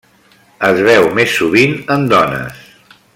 Es veu més sovint en dones.